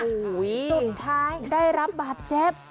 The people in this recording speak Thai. สุดท้ายได้รับบาดเจ็บ